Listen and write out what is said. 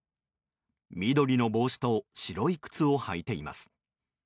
緑の帽子と白い靴を履いています。